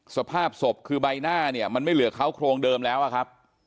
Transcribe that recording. สภาพศพคือใบหน้าเนี่ยมันไม่เหลือเขาโครงเดิมแล้วอะครับ